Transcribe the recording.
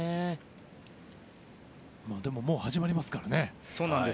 でももう始まりますからね。